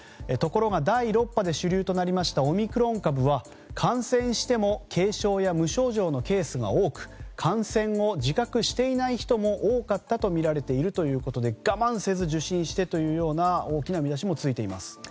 ところが第６波で主流となったオミクロン株は感染しても軽症や無症状のケースが多く感染を自覚していない人も多かったとみられているということで我慢せず受診してという大きな見出しもついています。